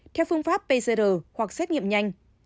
theo phương pháp pcr hoặc xét nghiệm nhanh